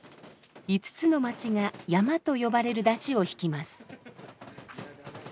５つの町が「ヤマ」と呼ばれる山車をひきます。